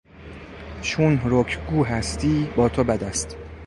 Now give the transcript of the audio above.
چون رکگو هستی با تو بد است.